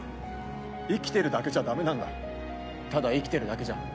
生きてるだけじゃ駄目なんだ、ただ生きてるだけじゃ。